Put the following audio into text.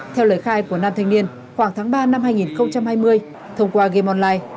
theo lời khai của nam thanh niên khoảng tháng ba năm hai nghìn hai mươi thông qua gameonline